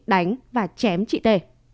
đánh và chém chị t